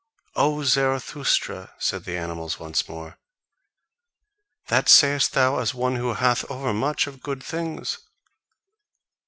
"O Zarathustra," said the animals once more, "that sayest thou as one who hath overmuch of good things.